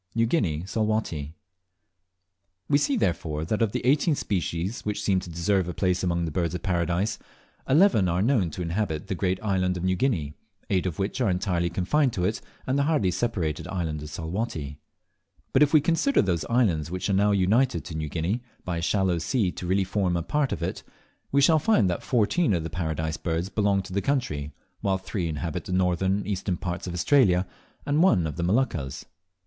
New Guinea, Salwatty. We see, therefore, that of the eighteen species which seem to deserve a place among the Birds of Paradise, eleven are known to inhabit the great island of New Guinea, eight of which are entirely confined to it and the hardly separated island of Salwatty. But if we consider those islands which are now united to New Guinea by a shallow sea to really form a part of it, we shall find that fourteen of the Paradise Birds belong to that country, while three inhabit the northern and eastern parts of Australia, and one the Moluccas.